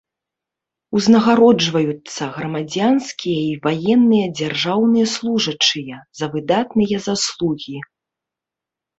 Узнагароджваюцца грамадзянскія і ваенныя дзяржаўныя служачыя за выдатныя заслугі.